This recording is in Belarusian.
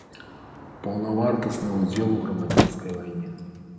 Паўнавартасны ўдзел у грамадзянскай вайне.